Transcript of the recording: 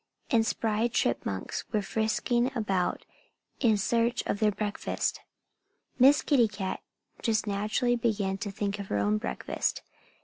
And spry chipmunks were frisking about in search of their breakfast. Miss Kitty Cat just naturally began to think of her own breakfast.